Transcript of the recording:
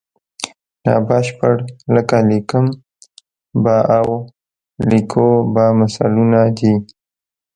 نا بشپړ لکه لیکم به او لیکو به مثالونه دي.